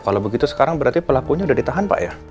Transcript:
kalau begitu sekarang berarti pelakunya sudah ditahan pak ya